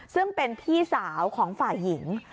ซึ่งเป็นพี่สาวของฝ่ายหญิง